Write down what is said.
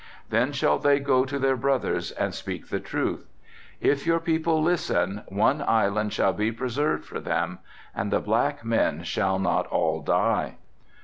Then shall they go to their brothers and speak the truth. If your people listen, one island shall be preserved for them and the black men shall not all die.